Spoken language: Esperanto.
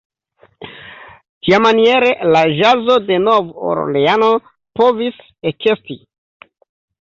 Tiamaniere la ĵazo de Nov-Orleano povis ekesti.